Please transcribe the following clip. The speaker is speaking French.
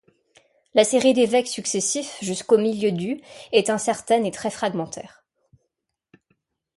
La série d'évêques successifs jusqu'au milieu du est incertaine et très fragmentaire.